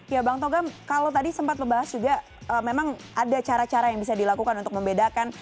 ya bang togam kalau tadi sempat membahas juga memang ada cara cara yang bisa dilakukan untuk membedakan